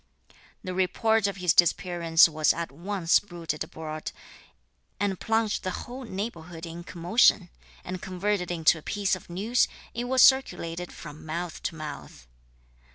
The report of his disappearance was at once bruited abroad, and plunged the whole neighbourhood in commotion; and converted into a piece of news, it was circulated from mouth to mouth.